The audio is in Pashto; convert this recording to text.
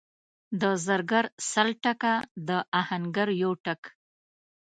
د زرګر سل ټکه، د اهنګر یو ټک.